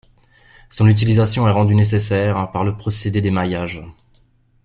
Son utilisation est rendue nécessaire par le procédé d'émaillage.